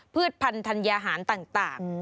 ืชพันธัญญาหารต่าง